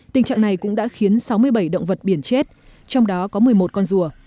tình trạng này cũng đã khiến sáu mươi bảy động vật biển chết trong đó có một mươi một con rùa